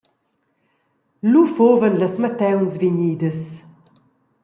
Lu fuvan las mattauns vegnidas.